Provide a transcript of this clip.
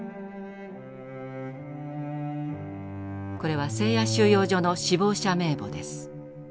これはセーヤ収容所の死亡者名簿です。